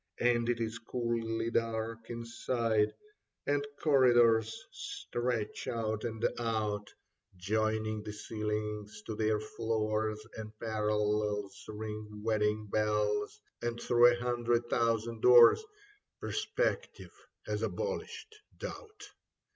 And it is coolly dark inside, And corridors stretch out and out. 5S Leda Joining the ceilings to their floors, And parallels ring wedding bells And through a hundred thousand doors Perspective has abolished doubt.